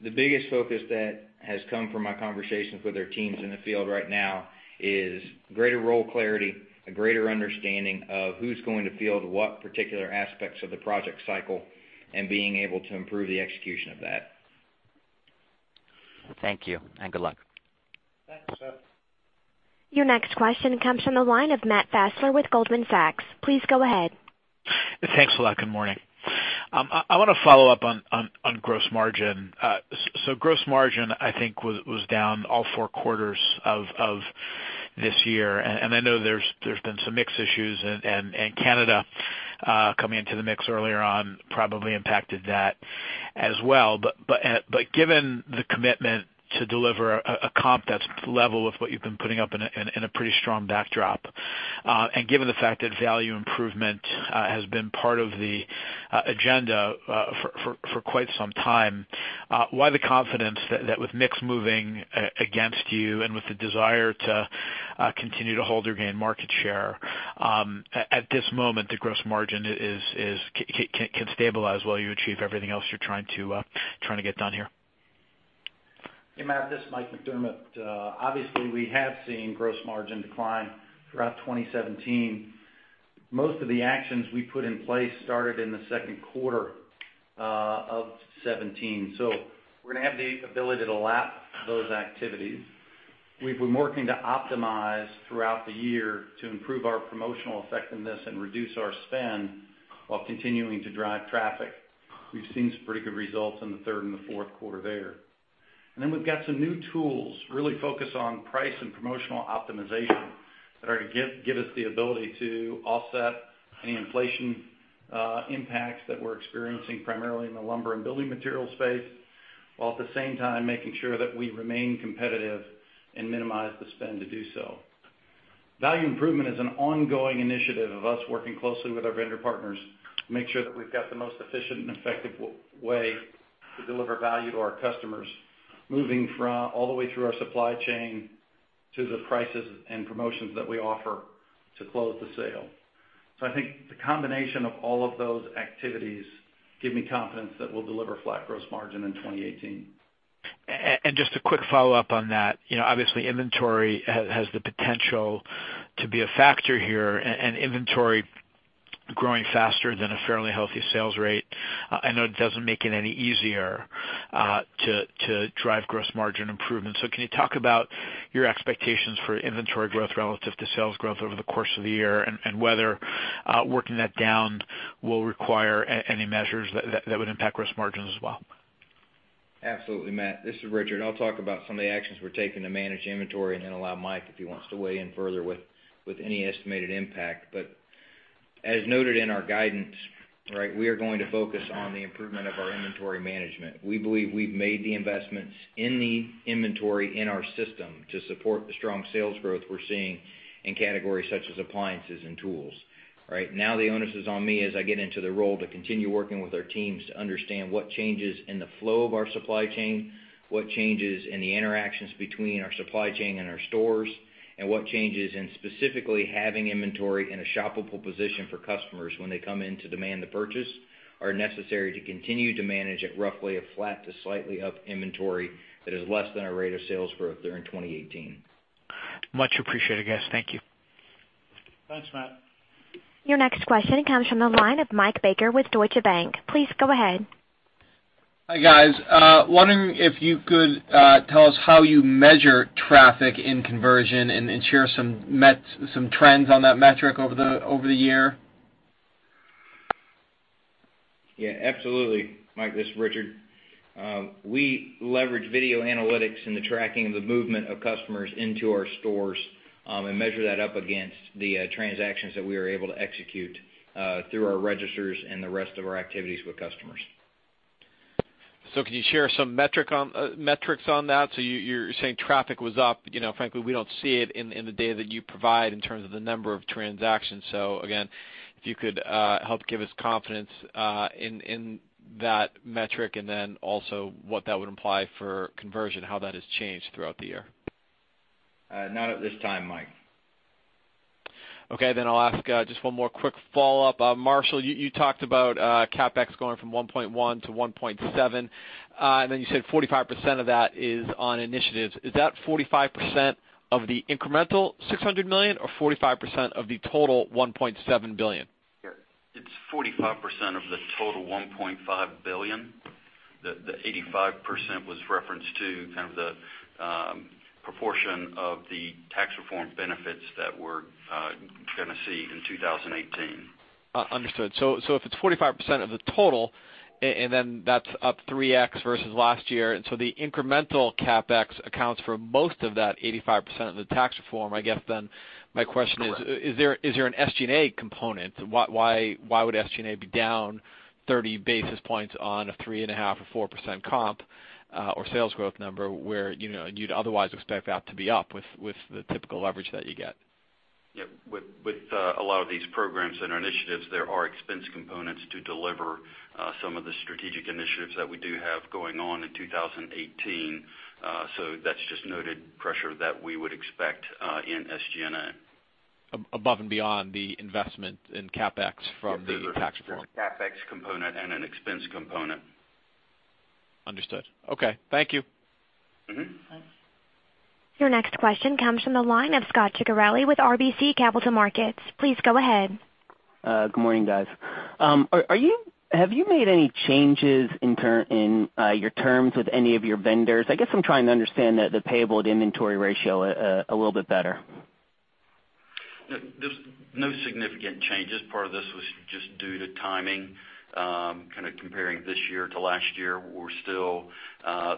The biggest focus that has come from my conversations with our teams in the field right now is greater role clarity, a greater understanding of who's going to field what particular aspects of the project cycle, and being able to improve the execution of that. Thank you, and good luck. Thanks, Seth. Your next question comes from the line of Matt Fassler with Goldman Sachs. Please go ahead. Thanks a lot. Good morning. I want to follow up on gross margin. Gross margin, I think was down all four quarters of this year, and I know there's been some mix issues and Canada coming into the mix earlier on probably impacted that as well. Given the commitment to deliver a comp that's level with what you've been putting up in a pretty strong backdrop, and given the fact that value improvement has been part of the agenda for quite some time, why the confidence that with mix moving against you and with the desire to continue to hold or gain market share, at this moment, the gross margin can stabilize while you achieve everything else you're trying to get done here? Hey, Matt, this is Mike McDermott. Obviously, we have seen gross margin decline throughout 2017. Most of the actions we put in place started in the second quarter of 2017. We're going to have the ability to lap those activities. We've been working to optimize throughout the year to improve our promotional effectiveness and reduce our spend while continuing to drive traffic. We've seen some pretty good results in the third and the fourth quarter there. We've got some new tools really focused on price and promotional optimization that are to give us the ability to offset any inflation impacts that we're experiencing, primarily in the lumber and building materials space, while at the same time making sure that we remain competitive and minimize the spend to do so. Value improvement is an ongoing initiative of us working closely with our vendor partners to make sure that we've got the most efficient and effective way to deliver value to our customers, moving all the way through our supply chain to the prices and promotions that we offer to close the sale. I think the combination of all of those activities give me confidence that we'll deliver flat gross margin in 2018. Just a quick follow-up on that. Obviously, inventory has the potential to be a factor here and inventory growing faster than a fairly healthy sales rate. I know it doesn't make it any easier to drive gross margin improvement. Can you talk about your expectations for inventory growth relative to sales growth over the course of the year? Whether working that down will require any measures that would impact gross margins as well? Absolutely, Matt. This is Richard. I'll talk about some of the actions we're taking to manage inventory and then allow Mike if he wants to weigh in further with any estimated impact. As noted in our guidance, we are going to focus on the improvement of our inventory management. We believe we've made the investments in the inventory in our system to support the strong sales growth we're seeing in categories such as appliances and tools. The onus is on me as I get into the role to continue working with our teams to understand what changes in the flow of our supply chain, what changes in the interactions between our supply chain and our stores, and what changes in specifically having inventory in a shoppable position for customers when they come in to demand the purchase are necessary to continue to manage at roughly a flat to slightly up inventory that is less than our rate of sales growth during 2018. Much appreciated, guys. Thank you. Thanks, Matt. Your next question comes from the line of Mike Baker with Deutsche Bank. Please go ahead. Hi guys. Wondering if you could tell us how you measure traffic in conversion and share some trends on that metric over the year. Yeah, absolutely. Mike, this is Richard Maltsbarger. We leverage video analytics in the tracking of the movement of customers into our stores and measure that up against the transactions that we are able to execute through our registers and the rest of our activities with customers. Can you share some metrics on that? You're saying traffic was up. Frankly, we don't see it in the data that you provide in terms of the number of transactions. Again, if you could help give us confidence in that metric, and then also what that would imply for conversion, how that has changed throughout the year. Not at this time, Mike. Okay. I'll ask just one more quick follow-up. Marshall, you talked about CapEx going from $1.1 to $1.7, and then you said 45% of that is on initiatives. Is that 45% of the incremental $600 million or 45% of the total $1.7 billion? It's 45% of the total $1.7 billion. The 85% was referenced to the proportion of the tax reform benefits that we're going to see in 2018. Understood. If it's 45% of the total, that's up 3x versus last year, the incremental CapEx accounts for most of that 85% of the tax reform, I guess my question is. Correct. Is there an SG&A component? Why would SG&A be down 30 basis points on a 3.5% or 4% comp, or sales growth number where you'd otherwise expect that to be up with the typical leverage that you get? With a lot of these programs and our initiatives, there are expense components to deliver some of the strategic initiatives that we do have going on in 2018. That's just noted pressure that we would expect in SG&A. Above and beyond the investment in CapEx from the tax reform. There's a CapEx component and an expense component. Understood. Okay. Thank you. Your next question comes from the line of Scot Ciccarelli with RBC Capital Markets. Please go ahead. Good morning, guys. Have you made any changes in your terms with any of your vendors? I guess I'm trying to understand the payable-to-inventory ratio a little bit better. There's no significant changes. Part of this was just due to timing, kind of comparing this year to last year. We're still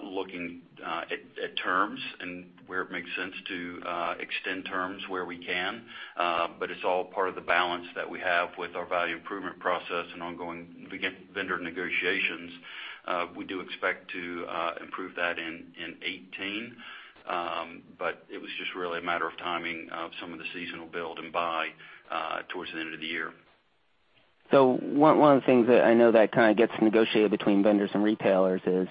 looking at terms and where it makes sense to extend terms where we can. It's all part of the balance that we have with our value improvement process and ongoing vendor negotiations. We do expect to improve that in 2018. It was just really a matter of timing of some of the seasonal build and buy towards the end of the year. One of the things that I know that kind of gets negotiated between vendors and retailers is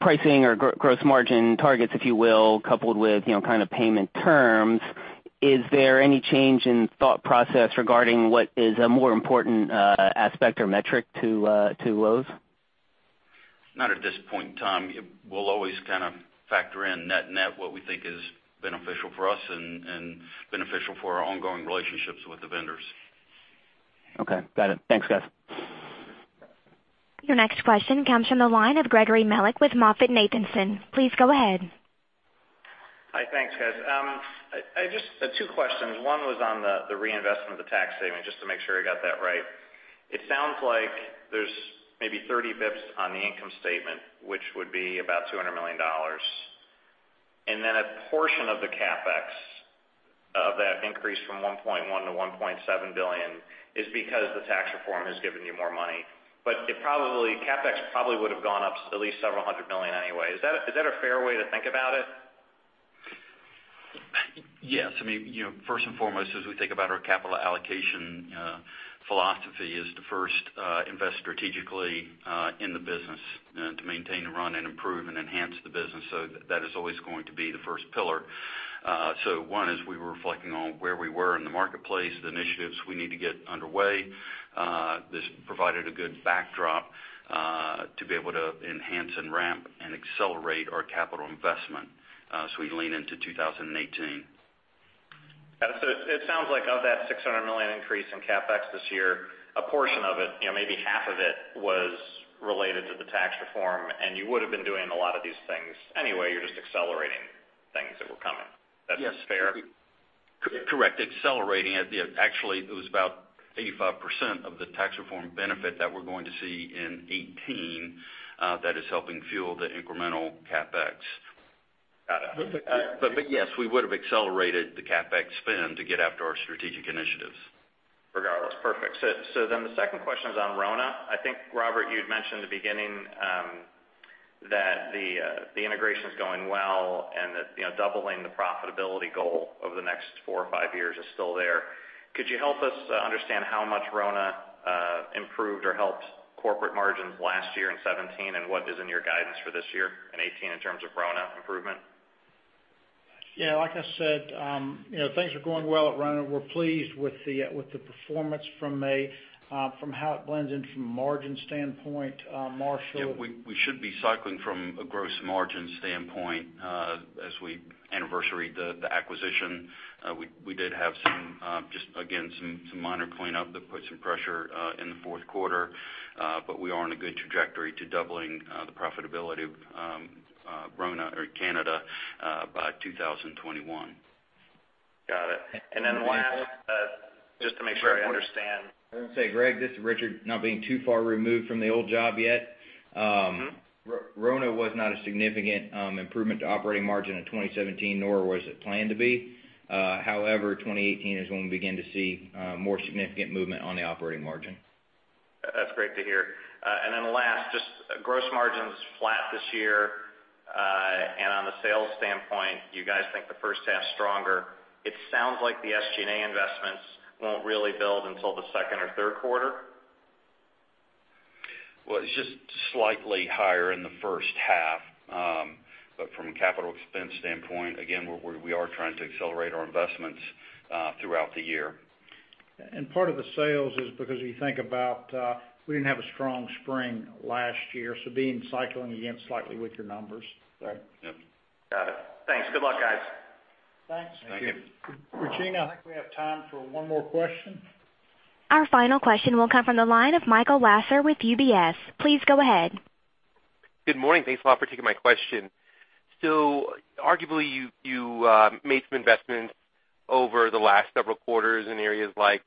pricing or gross margin targets, if you will, coupled with kind of payment terms. Is there any change in thought process regarding what is a more important aspect or metric to Lowe's? Not at this point in time. We'll always kind of factor in net what we think is beneficial for us and beneficial for our ongoing relationships with the vendors. Okay. Got it. Thanks, guys. Your next question comes from the line of Gregory Melich with MoffettNathanson. Please go ahead. Hi. Thanks, guys. I have just two questions. One was on the reinvestment of the tax savings, just to make sure I got that right. It sounds like there's maybe 30 basis points on the income statement, which would be about $200 million. A portion of the CapEx of that increase from $1.1 billion-$1.7 billion is because the tax reform has given you more money. CapEx probably would've gone up at least $several hundred million anyway. Is that a fair way to think about it? Yes. First and foremost, as we think about our capital allocation philosophy is to first invest strategically in the business and to maintain and run and improve and enhance the business. That is always going to be the first pillar. One is we were reflecting on where we were in the marketplace, the initiatives we need to get underway. This provided a good backdrop to be able to enhance and ramp and accelerate our capital investment as we lean into 2018. Got it. It sounds like of that $600 million increase in CapEx this year, a portion of it, maybe half of it, was related to the tax reform, and you would've been doing a lot of these things anyway. You're just accelerating things that were coming. Yes. That's fair? Correct. Accelerating it. Actually, it was about 85% of the tax reform benefit that we're going to see in 2018 that is helping fuel the incremental CapEx. Got it. Yes, we would've accelerated the CapEx spend to get after our strategic initiatives. Regardless. Perfect. The second question is on RONA. I think, Robert, you had mentioned in the beginning that the integration's going well and that doubling the profitability goal over the next four or five years is still there. Could you help us understand how much RONA improved or helped corporate margins last year in 2017, and what is in your guidance for this year, in 2018, in terms of RONA improvement? Yeah. Like I said, things are going well at RONA. We are pleased with the performance from how it blends in from a margin standpoint. Marshall? Yeah. We should be cycling from a gross margin standpoint as we anniversary the acquisition. We did have, just again, some minor cleanup that put some pressure in the fourth quarter. We are on a good trajectory to doubling the profitability of RONA or Canada by 2021. Got it. Last, just to make sure I understand. Sorry. This is Greg. This is Richard, not being too far removed from the old job yet. RONA was not a significant improvement to operating margin in 2017, nor was it planned to be. 2018 is when we begin to see more significant movement on the operating margin. That's great to hear. Last, just gross margin's flat this year. On the sales standpoint, you guys think the first half's stronger. It sounds like the SG&A investments won't really build until the second or third quarter? Well, it's just slightly higher in the first half. From a capital expense standpoint, again, we are trying to accelerate our investments throughout the year. Part of the sales is because you think about we didn't have a strong spring last year, being cycling again slightly with your numbers. Right. Yep. Got it. Thanks. Good luck, guys. Thanks. Thank you. Regina, I think we have time for one more question. Our final question will come from the line of Michael Lasser with UBS. Please go ahead. Good morning. Thanks a lot for taking my question. Arguably, you made some investments over the last several quarters in areas like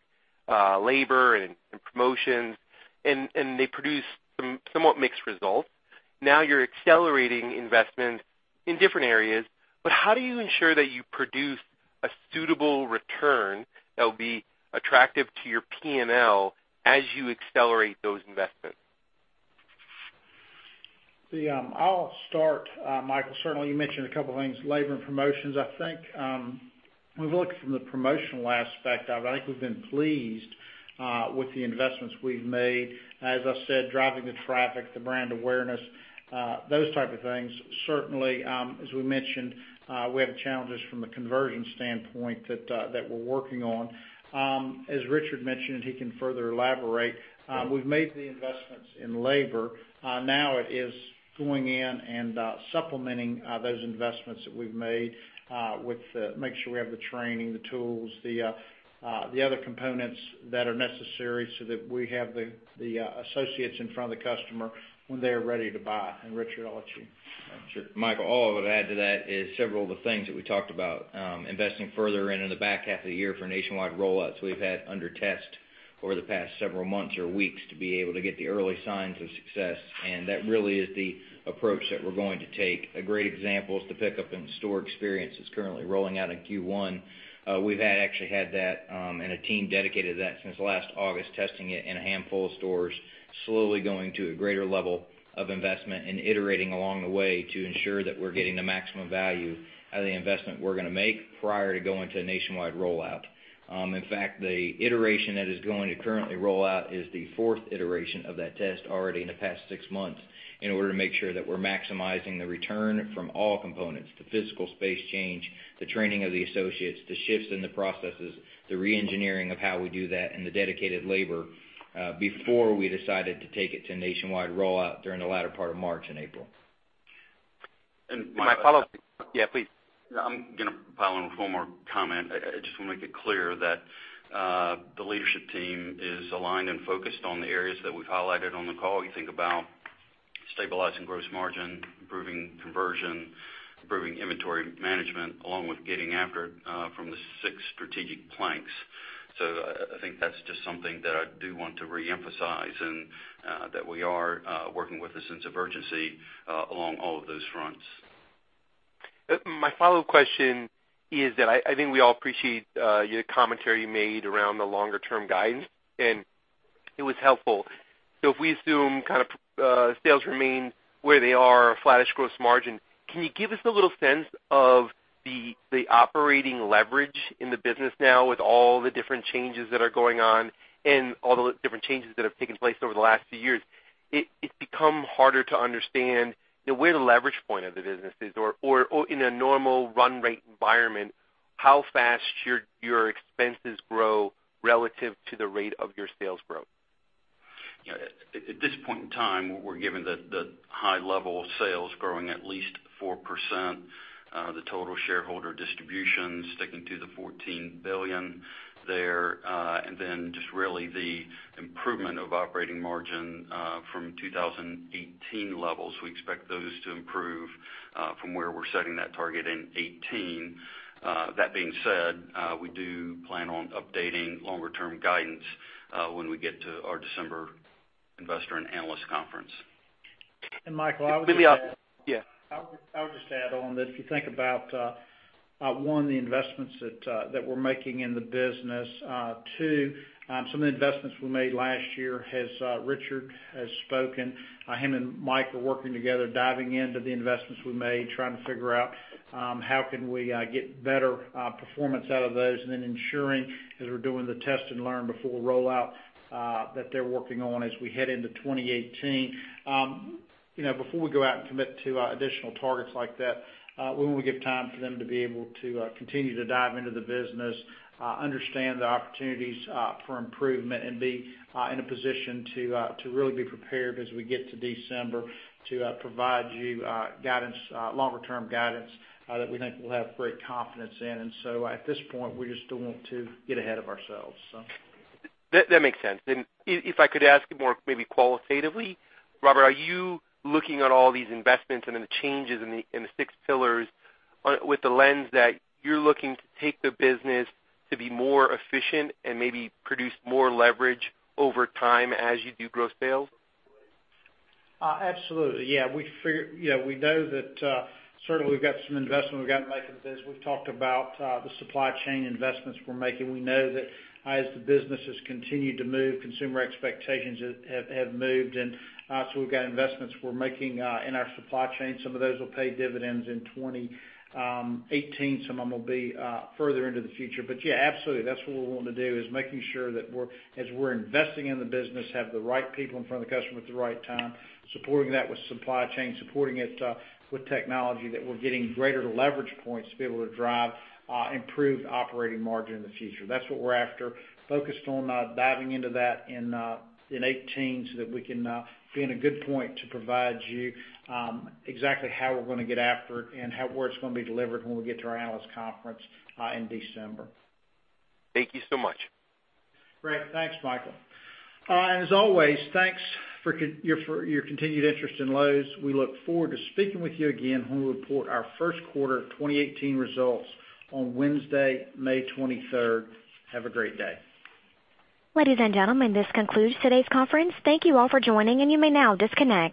labor and promotions, they produced somewhat mixed results. You're accelerating investment in different areas, how do you ensure that you produce a suitable return that will be attractive to your P&L as you accelerate those investments? I'll start, Michael. Certainly, you mentioned a couple of things, labor and promotions. I think when we look from the promotional aspect of it, I think we've been pleased with the investments we've made. As I said, driving the traffic, the brand awareness, those type of things. Certainly, as we mentioned, we have challenges from the conversion standpoint that we're working on. As Richard mentioned, he can further elaborate. We've made the investments in labor. Now it is going in and supplementing those investments that we've made with making sure we have the training, the tools, the other components that are necessary so that we have the associates in front of the customer when they are ready to buy. Richard, I'll let you. Sure. Michael, all I would add to that is several of the things that we talked about. Investing further in the back half of the year for nationwide rollouts we've had under test over the past several months or weeks to be able to get the early signs of success. That really is the approach that we're going to take. A great example is the pickup in store experience that's currently rolling out in Q1. We've actually had that and a team dedicated to that since last August, testing it in a handful of stores, slowly going to a greater level of investment and iterating along the way to ensure that we're getting the maximum value out of the investment we're going to make prior to going to a nationwide rollout. In fact, the iteration that is going to currently roll out is the fourth iteration of that test already in the past six months in order to make sure that we're maximizing the return from all components, the physical space change, the training of the associates, the shifts in the processes, the re-engineering of how we do that, and the dedicated labor, before we decided to take it to nationwide rollout during the latter part of March and April. My follow-up Yeah, please. I'm going to pile on one more comment. I just want to make it clear that the leadership team is aligned and focused on the areas that we've highlighted on the call. You think about stabilizing gross margin, improving conversion, improving inventory management, along with getting after from the six strategic planks. I think that's just something that I do want to reemphasize, and that we are working with a sense of urgency along all of those fronts. My follow-up question is that I think we all appreciate your commentary you made around the longer-term guidance, and it was helpful. If we assume sales remain where they are, a flattish gross margin, can you give us a little sense of the operating leverage in the business now with all the different changes that are going on and all the different changes that have taken place over the last few years? It's become harder to understand where the leverage point of the business is, or in a normal run rate environment, how fast your expenses grow relative to the rate of your sales growth. At this point in time, we're given the high level of sales growing at least 4%, the total shareholder distribution sticking to the $14 billion there, and then just really the improvement of operating margin from 2018 levels. We expect those to improve from where we're setting that target in 2018. That being said, we do plan on updating longer-term guidance when we get to our December investor and analyst conference. Michael, I would just- Yeah. I would just add on that if you think about, one, the investments that we're making in the business. Two, some of the investments we made last year, as Richard has spoken, him and Mike are working together, diving into the investments we made, trying to figure out how can we get better performance out of those, and then ensuring as we're doing the test and learn before rollout that they're working on as we head into 2018. Before we go out and commit to additional targets like that, we want to give time for them to be able to continue to dive into the business, understand the opportunities for improvement, and be in a position to really be prepared as we get to December to provide you longer-term guidance that we think we'll have great confidence in. At this point, we just don't want to get ahead of ourselves. That makes sense. If I could ask more maybe qualitatively, Robert, are you looking at all these investments and then the changes in the six pillars with the lens that you're looking to take the business to be more efficient and maybe produce more leverage over time as you do gross sales? Absolutely. We know that certainly we've got some investment we've got to make in the business. We've talked about the supply chain investments we're making. We know that as the business has continued to move, consumer expectations have moved, we've got investments we're making in our supply chain. Some of those will pay dividends in 2018. Some of them will be further into the future. Absolutely, that's what we want to do, is making sure that as we're investing in the business, have the right people in front of the customer at the right time, supporting that with supply chain, supporting it with technology, that we're getting greater leverage points to be able to drive improved operating margin in the future. That's what we're after, focused on diving into that in 2018 so that we can be in a good point to provide you exactly how we're going to get after it and where it's going to be delivered when we get to our analyst conference in December. Thank you so much. Great. Thanks, Michael. As always, thanks for your continued interest in Lowe's. We look forward to speaking with you again when we report our first quarter of 2018 results on Wednesday, May 23rd. Have a great day. Ladies and gentlemen, this concludes today's conference. Thank you all for joining, and you may now disconnect.